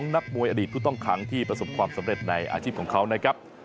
นักมวยอดีตผู้ต้องขังที่ประสบความสำเร็จในอาชีพของเขานะครับ